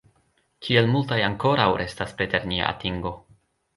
Kiel multaj ankoraŭ restas preter nia atingo!